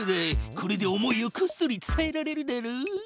これで思いをこっそり伝えられるだろう。